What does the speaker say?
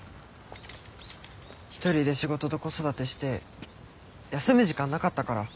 一人で仕事と子育てして休む時間なかったから。